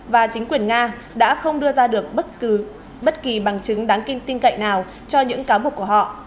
và chính quyền nga đã không đưa ra được bất cứ bất kỳ bằng chứng đáng tin cậy nào cho những cáo buộc của họ